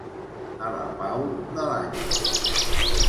A la pau de l'àngel.